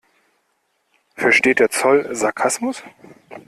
Versteht der Zoll Sarkasmus?